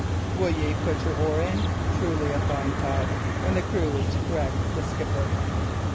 "Will ye put your oar in? Truly a fine pass, when the crew is to correct the skipper!"